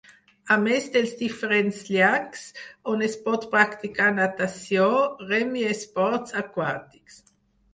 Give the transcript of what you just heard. A més dels diferents llacs on es pot practicar natació, rem i esports aquàtics.